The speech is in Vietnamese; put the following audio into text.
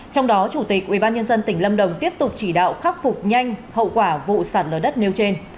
trong đó chủ tịch ubnd tỉnh lâm đồng tiếp tục chỉ đạo khắc phục nhanh hậu quả vụ sạt lở đất nêu trên